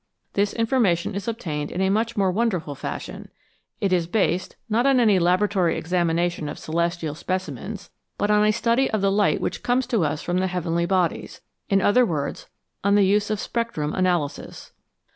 This information is obtained in a much more wonderful fashion ; it is based, not on any laboratory examination of celestial specimens, but on a 205 CHEMISTRY OF THE STARS study of the light which comes to us from the heavenly bodies, in other words, on the use of spectrum analysis.